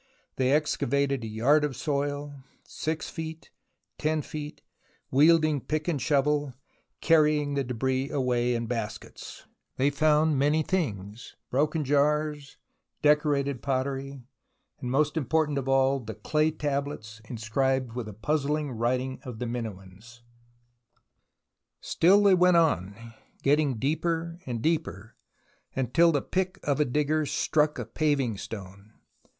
They excavated a yard of soil, 6 feet, lo feet, wielding pick and shovel, carrying the debris away in baskets. They found many things, broken jars. O i: >^ o O N U I 5 o THE ROMANCE OF EXCAVATION 185 decorated pottery, but most important of all were the clay tablets inscribed with the puzzling writing of the Minoans. Still they went on, getting deeper and deeper, until the pick of a digger struck a paving stone.